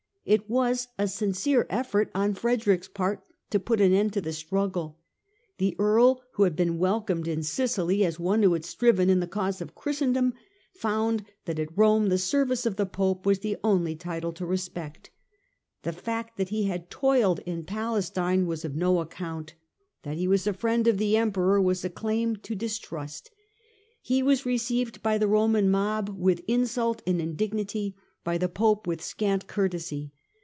It was a sincere effort on Frede rick's part to put an end to the struggle. The Earl, who had been welcomed in Sicily as one who had striven in the cause of Christendom, found that at Rome the service of the Pope was the only title to respect. The fact that he had toiled in Palestine was of no account: that he was a friend of the Emperor was a claim to dis trust. He was received by the Roman mob with insult and indignity, by the Pope with scant courtesy.